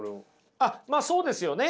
あっまあそうですよね。